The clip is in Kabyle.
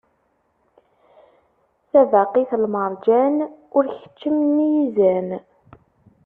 Tabaqit n lmerǧan ur keččmen yizan.